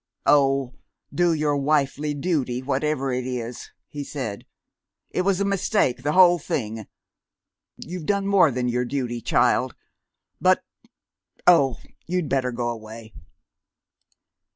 "Oh, do your wifely duty, whatever it is," he said.... "It was a mistake, the whole thing. You've done more than your duty, child, but oh, you'd better go away."